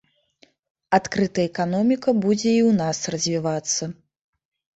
Адкрытая эканоміка будзе і ў нас развівацца.